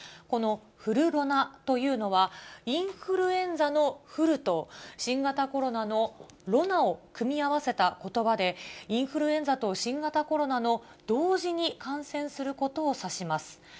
このフルロナというのは、インフルエンザのフルと、新型コロナのロナを組み合わせたことばで、インフルエンザと新型コロナの同時に感染することを指します。